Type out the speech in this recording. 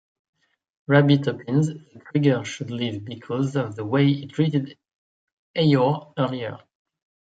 Rabbit opines that Tigger should leave because of the way he treated Eeyore earlier.